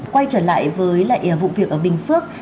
quay trở lại với lại vụ việc ở bình phước